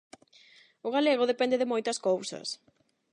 O galego depende de moitas cousas.